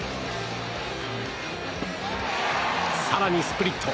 更に、スプリット。